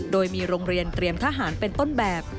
โดยมีโรงเรียนเตรียมทหารเป็นต้นแบบ